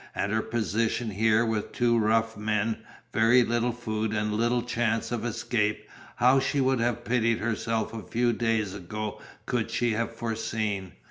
And her position here with two rough men, very little food and little chance of escape, how she would have pitied herself a few days ago could she have foreseen!